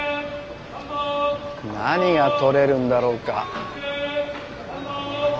何がとれるんだろうか。